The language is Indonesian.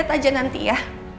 lihat aja nanti ya